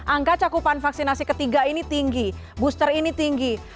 angka cakupan vaksinasi ketiga ini tinggi booster ini tinggi